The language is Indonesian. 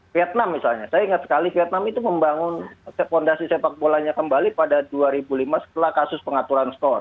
vietnam misalnya saya ingat sekali vietnam itu membangun fondasi sepak bolanya kembali pada dua ribu lima setelah kasus pengaturan skor